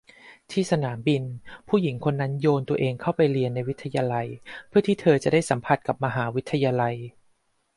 ที่สนามบินผู้หญิงคนนั้นโยนตัวเองเข้าไปเรียนในวิทยาลัยเพื่อที่เธอจะได้สัมผัสกับมหาวิทยาลัย